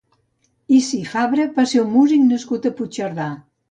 Issi Fabra va ser un músic nascut a Puigcerdà.